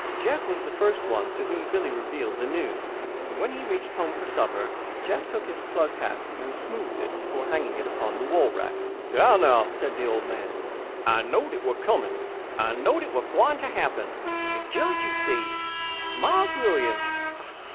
Jeff was the first one to whom Bill revealed the news. When he reached home for supper Jeff took his "plug" hat and smoothed it before hanging it upon the hall rack. "Dar now!" said the old man: "I knowed it was er comin'. I knowed it was gwine ter happen. Er Judge, you says, Mars William?